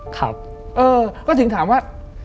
ก็ถึงถามว่า